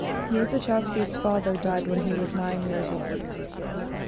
Niezychowski's father died when he was nine years old.